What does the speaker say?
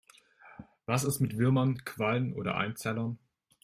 Was ist mit Würmern, Quallen oder Einzellern?